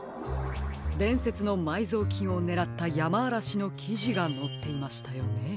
でんせつのまいぞうきんをねらったやまあらしのきじがのっていましたよね。